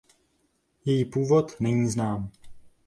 Její původ není znám.